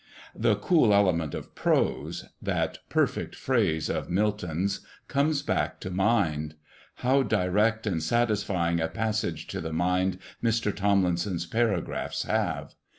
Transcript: "The cool element of prose," that perfect phrase of Milton's, comes back to mind. How direct and satisfying a passage to the mind Mr. Tomlinson's paragraphs have.